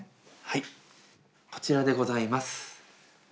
はいこちらでございます。